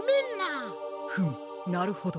フムなるほど。